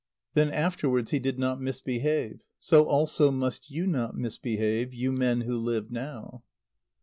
Then afterwards he did not misbehave. So also must you not misbehave, you men who live now!